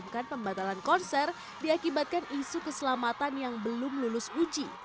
dan juga mengatakan pembatalan konser diakibatkan isu keselamatan yang belum lulus uji